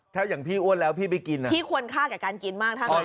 แถวอย่างพี่อ้วนแล้วพี่ไปกินอ่ะพี่ควรฆ่ากับการกินมากทั้งหมด